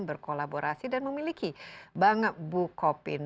berkolaborasi dan memiliki bank bukopin